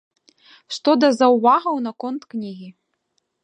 Што да заўвагаў наконт кнігі.